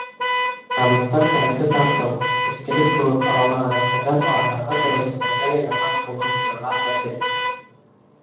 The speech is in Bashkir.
Табиптар тәмәке тартыу, эскелек кеүек алама ғәҙәттәрҙән арынырға теләүселәргә лә ярҙам ҡулы һуҙырға әҙер.